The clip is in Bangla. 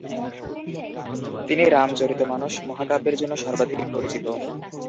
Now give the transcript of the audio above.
তিনি রামচরিতমানস মহাকাব্যের জন্য সর্বাধিক পরিচিত।